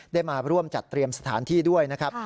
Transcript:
ได้มาร่วมจัดเตรียมสถานที่ด้วยนะครับ